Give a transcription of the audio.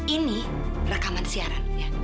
ini rekaman siaran ya